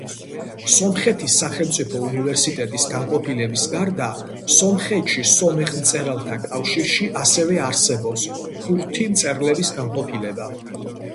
სომხეთის სახელმწიფო უნივერსიტეტის განყოფილების გარდა, სომხეთში სომეხ მწერალთა კავშირში ასევე არსებობს ქურთი მწერლების განყოფილება.